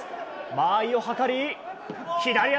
間合いを図り左足。